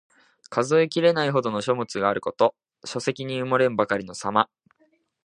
数えきれないほどの書物があること。書籍に埋もれんばかりのさま。